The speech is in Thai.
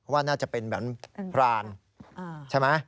ว่าน่าจะเป็นแบบพรานใช่ไหม